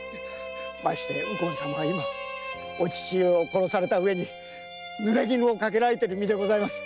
ましてや右近様は今お父上を殺されたうえに濡れ衣をかけられている身です。